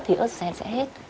thì ớt dô xen sẽ hết